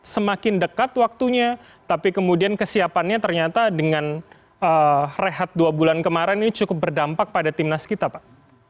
semakin dekat waktunya tapi kemudian kesiapannya ternyata dengan rehat dua bulan kemarin ini cukup berdampak pada timnas kita pak